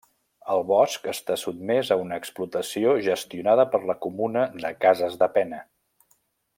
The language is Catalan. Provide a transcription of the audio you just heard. El bosc està sotmès a una explotació gestionada per la comuna de Cases de Pena.